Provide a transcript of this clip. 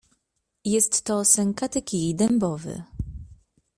"Jest to sękaty kij dębowy."